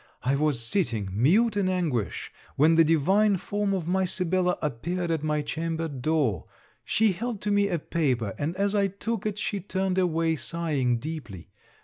I was sitting, mute in anguish, when the divine form of my Sibella appeared at my chamber door. She held to me a paper, and as I took it, she turned away sighing deeply.